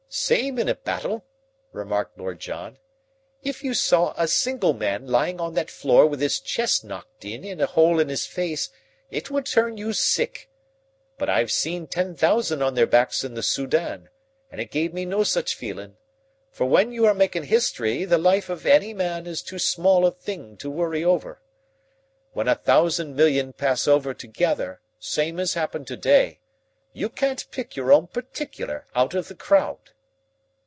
"Same in a battle," remarked Lord John. "If you saw a single man lying on that floor with his chest knocked in and a hole in his face it would turn you sick. But I've seen ten thousand on their backs in the Soudan, and it gave me no such feelin', for when you are makin' history the life of any man is too small a thing to worry over. When a thousand million pass over together, same as happened to day, you can't pick your own partic'lar out of the crowd."